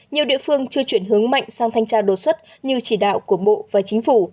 nhiều địa phương chưa chuyển hướng mạnh sang thanh tra đột xuất như chỉ đạo của bộ và chính phủ